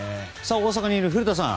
大阪にいる古田さん